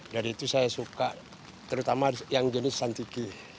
dari itu saya suka terutama yang jenis santiki